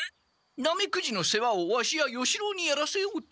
ナメクジの世話をワシや与四郎にやらせようと。